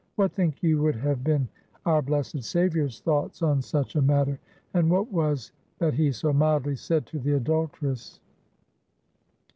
What think you would have been our blessed Savior's thoughts on such a matter? And what was that he so mildly said to the adulteress?"